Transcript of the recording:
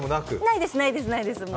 ないです、ないです。